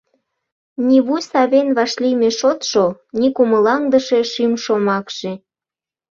Ни вуй савен вашлийме шотшо, ни кумылаҥдыше шӱм шомакше!»